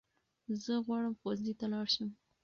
زه غواړم ښونځي ته لاړشم